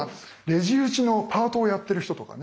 レジ打ちのパートをやってる人とかね